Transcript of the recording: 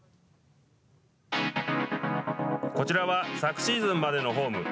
こちらは昨シーズンまでのフォーム。